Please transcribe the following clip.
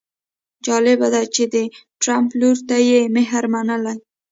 جالبه ده چې د ټرمپ لور ته یې مهر منلی.